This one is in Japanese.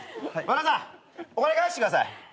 和田さんお金返してください。